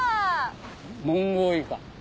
モンゴウイカ。